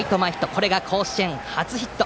これが甲子園初ヒット！